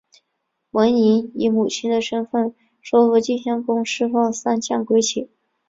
文嬴以母亲的身分说服晋襄公释放三将归秦。